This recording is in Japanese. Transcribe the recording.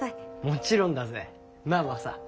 もちろんだぜ。なあマサ。